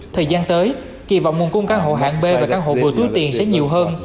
thời gian tới kỳ vọng nguồn cung căn hộ hạng b và căn hộ vừa túi tiền sẽ nhiều hơn